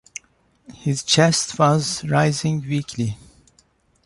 His chest was rising weakly.